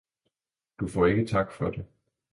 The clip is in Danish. »Du faaer ikke Tak for det!